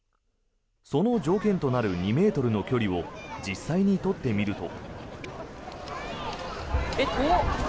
その条件となる２ｍの距離を実際に取ってみると。